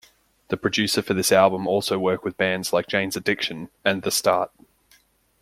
The producer for this album also worked with bands like Jane's Addiction, and TheStart.